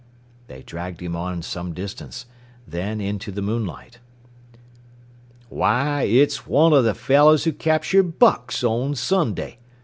They dragged him on some distance, then into the moonlight. "Why, it's one of the fellows who captured Bucks on Sunday!"